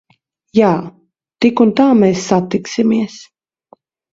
Jā. Tik un tā mēs satiksimies.